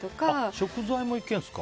食材もいけるんですか？